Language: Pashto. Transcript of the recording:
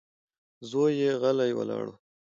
زوی يې غلی ولاړ و.